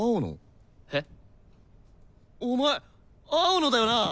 お前青野だよな！？